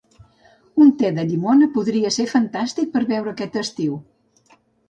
Un te de llimona podria ser fantàstic per beure aquest estiu.